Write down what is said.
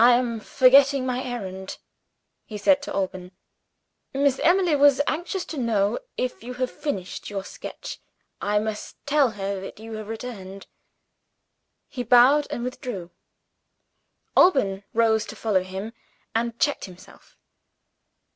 "I am forgetting my errand," he said to Alban. "Miss Emily was anxious to know if you had finished your sketch. I must tell her that you have returned." He bowed and withdrew. Alban rose to follow him and checked himself.